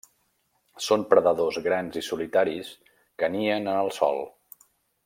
Són predadors grans i solitaris que nien en el sòl.